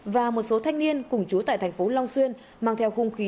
và một số thanh niên cùng trú tại thành phố long xuyên mang theo khung khí